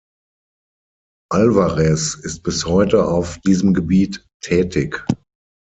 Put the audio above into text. Alvarez ist bis heute auf diesem Gebiet tätig.